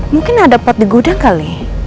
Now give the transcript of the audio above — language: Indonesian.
mungkin ada pot di gudang kali